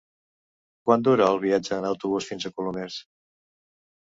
Quant dura el viatge en autobús fins a Colomers?